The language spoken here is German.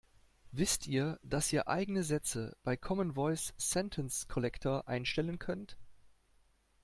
Wisst ihr, dass ihr eigene Sätze bei Common Voice Sentence Collector einstellen könnt?